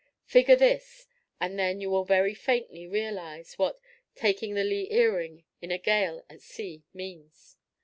Figure this, and then you will very faintly realize what "taking the lee earing" in a gale at sea means.